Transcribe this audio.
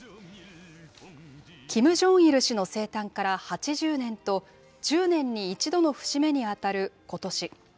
キム・ジョンイル氏の生誕から８０年と、１０年に一度の節目に当たることし。